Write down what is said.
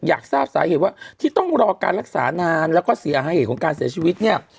อยากทราบสาเหตุว่าที่ต้องรอการรักษานานแล้วก็เสียหายของการเสียชีวิตเนี่ย